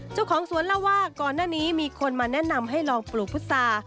เจ้าของสวนเล่าว่าก่อนหน้านี้มีคนมาแนะนำให้ลองปลูกพุษา